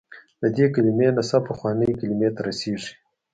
د دې کلمې نسب پخوانۍ کلمې ته رسېږي.